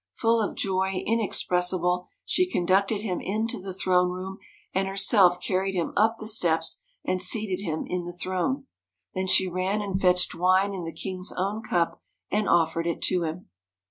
Full of joy inexpressible she conducted him into the throne room, and herself carried him up the steps and seated him in the throne. Then she ran and fetched wine in the king's own cup and offered it to him.